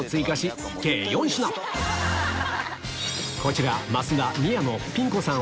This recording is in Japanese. こちら増田宮野ピン子さん